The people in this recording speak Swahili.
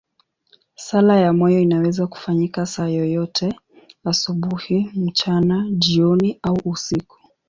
Sala ya moyo inaweza kufanyika saa yoyote, asubuhi, mchana, jioni au usiku.